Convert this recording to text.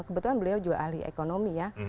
kebetulan beliau juga ahli ekonomi ya